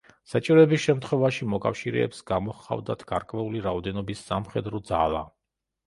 საჭიროების შემთხვევაში მოკავშირეებს გამოჰყავდათ გარკვეული რაოდენობის სამხედრო ძალა.